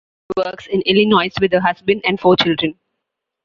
Sophia lives and works in Illinois with her husband and four children.